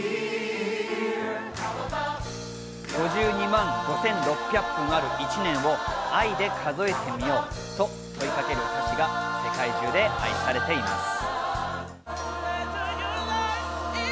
５２万５６００分の１を愛で数えてみようと問いかけるこちら、世界中で愛されています。